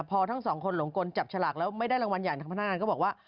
พอทั้งสองคนหลงกลจับฉลากแล้วไม่ได้รางวัลอย่างทางพนักงานก็บอกว่า